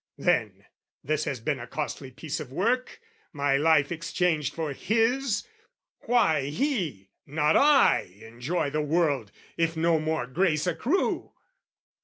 Then, this has been a costly piece of work, My life exchanged for his! why he, not I, Enjoy the world, if no more grace accrue?